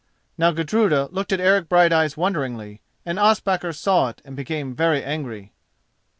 Now Gudruda looked at Eric Brighteyes wonderingly, and Ospakar saw it and became very angry.